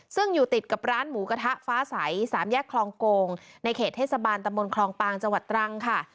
ซึ่งอยู่ติดกับร้านหมูกระทะฟ้าใส๓แยกคลองโกงในเขตเทศบาลตะมนต์คลองปางจังหวัดตรังค่ะ